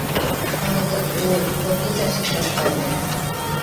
ھازىر ئۇ ئوتتۇز ياشقا كىرىپ قالدى.